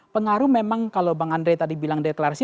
pengaruh memang kalau bang andre tadi bilang deklarasi